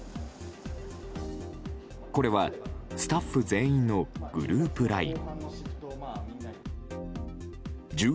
これは、スタッフ全員のグループＬＩＮＥ。